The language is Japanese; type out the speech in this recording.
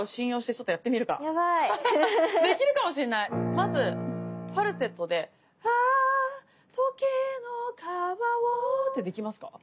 まずファルセットでああときのかわをってできますか。